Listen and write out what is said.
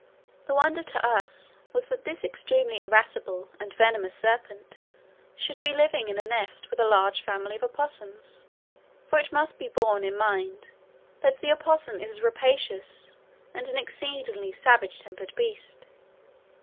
The wonder to us was that this extremely irascible and venomous serpent should be living in a nest with a large family of opossums, for it must be borne in mind that the opossum is a rapacious and an exceedingly savage tempered beast.